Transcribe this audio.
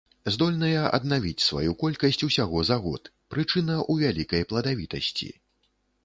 Здольныя аднавіць сваю колькасць усяго за год, прычына ў вялікай пладавітасці.